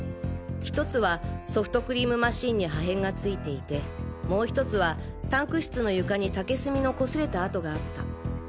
ひとつはソフトクリームマシンに破片が付いていてもうひとつはタンク室の床に竹炭のこすれた跡があった。